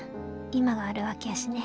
今があるわけやしね」。